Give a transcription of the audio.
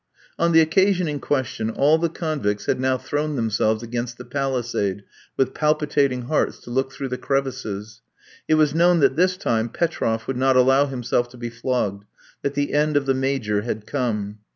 On the occasion in question, all the convicts had now thrown themselves against the palisade, with palpitating hearts, to look through the crevices. It was known that this time Petroff would not allow himself to be flogged, that the end of the Major had come.